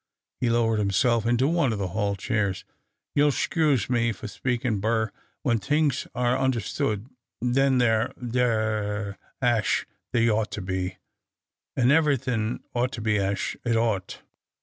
He lowered himself into one of the hall chairs. " You'll 'shcuse me for speakin', bur when thingsh are understood, then they're — they're ash they ought to be. And ev'rythin' ought to be ash it ought."